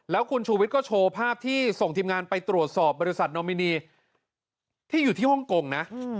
แล้วคุณชูวิทย์ก็โชว์ภาพที่ส่งทีมงานไปตรวจสอบบริษัทโนมินีที่อยู่ที่ฮ่องกงนะ